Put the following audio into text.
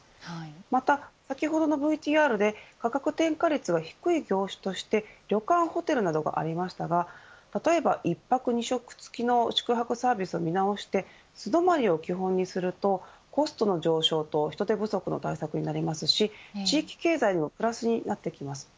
また、先ほどのＶＴＲで価格転嫁率が低い業種として旅館、ホテルなどがありましたが例えば、１泊２食付きの宿泊サービスを見直して素泊まりを基本にするとコストの上昇と人手不足の対策になりますし地域経済にもプラスになってきます。